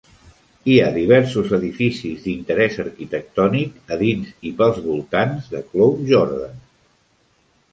Hi ha diversos edificis d'interès arquitectònic a dins i pels voltants de Cloughjordan.